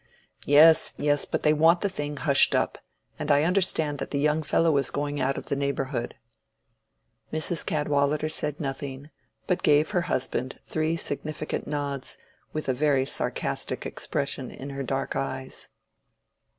"Yes, yes; but they want the thing hushed up, and I understand that the young fellow is going out of the neighborhood." Mrs. Cadwallader said nothing, but gave her husband three significant nods, with a very sarcastic expression in her dark eyes.